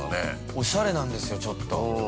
◆おしゃれなんですよ、ちょっと。